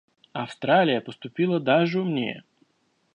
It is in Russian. Австралия поступила даже умнее.